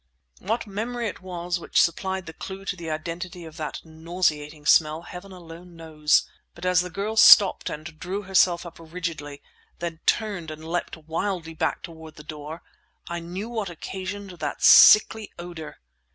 What memory it was which supplied the clue to the identity of that nauseating smell, heaven alone knows; but as the girl stopped and drew herself up rigidly—then turned and leapt wildly back toward the door—I knew what occasioned that sickly odour!